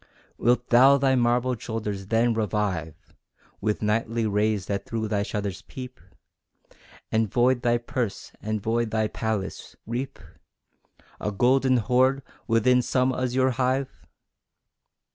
Wilt thou thy marbled shoulders then revive With nightly rays that through thy shutters peep? And void thy purse and void thy palace reap A golden hoard within some azure hive?